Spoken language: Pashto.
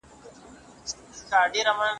قاضي عطاءالله د پښتنو د تاریخ په اړه کتاب لیکلی.